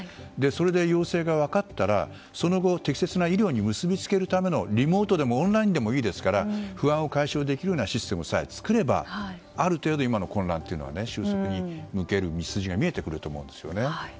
それで陽性が分かったらその後、適切な医療に結びつけるための、リモートでもオンラインでもいいですから不安を解消できるようなシステムさえ作ればある程度、今の混乱は抜ける道筋が見えてくると思うんですよね。